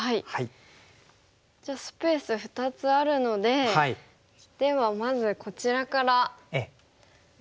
じゃあスペース２つあるのでではまずこちらから打っていくと？